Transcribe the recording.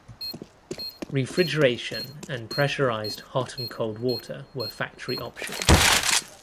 Refrigeration and pressurized hot and cold water were factory options.